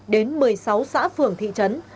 đến một mươi sáu xã phường thị trấn